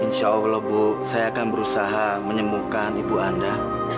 insya allah bu saya akan berusaha menyembuhkan ibu anda